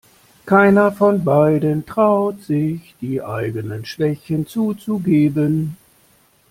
Keiner von beiden traut sich, die eigenen Schwächen zuzugeben.